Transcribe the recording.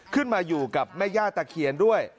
ขึ้นมาอยู่กับแม่ย่าตะเคียนด้วย